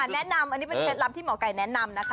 แนะนำอันนี้เป็นเคล็ดลับที่หมอไก่แนะนำนะคะ